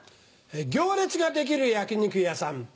行列ができる焼き肉屋さん。